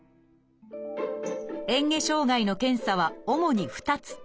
えん下障害の検査は主に２つ。